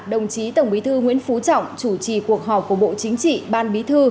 đồng chí tổng bí thư nguyễn phú trọng chủ trì cuộc họp của bộ chính trị ban bí thư